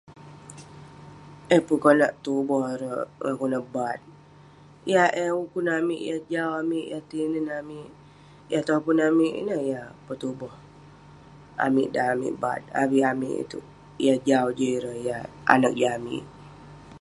Yeng pun konak tuboh ireh ngan kelunan bat, yah eh ukun amik yah jau amik ,yah tinen amik, yah topun amik, ineh yah petuboh amik dan amik bat..avik amik itouk yah jah jin ireh yah anag jin amik..